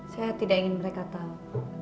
saya tidak ingin mereka tahu